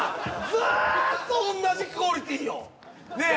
ずーっと同じクオリティーよねえ？